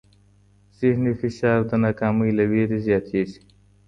ذهني فشار د ناکامۍ له وېرې زیاتېږي.